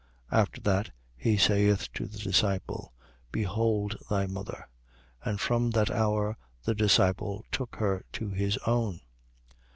19:27. After that, he saith to the disciple: Behold thy mother. And from that hour, the disciple took her to his own.